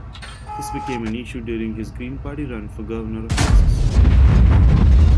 This became an issue during his Green Party run for governor of Texas.